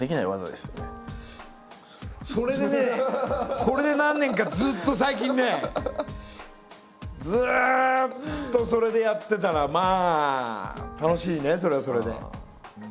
それでねこれで何年かずっと最近ねずっとそれでやってたらまあ楽しいねそれはそれで。